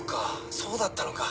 そうだったのか。